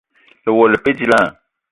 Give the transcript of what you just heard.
Lewela le pe dilaah?